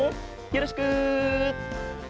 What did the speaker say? よろしく。